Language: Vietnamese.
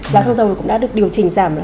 giá xăng dầu cũng đã được điều chỉnh giảm